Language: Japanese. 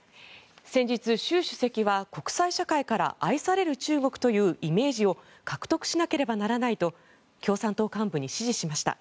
先日、習主席は国際社会から愛される中国というイメージを獲得しなけらばならないと共産党幹部に指示しました。